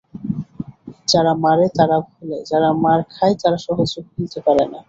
যারা মারে তারা ভোলে, যারা মার খায় তারা সহজে ভুলতে পারে না।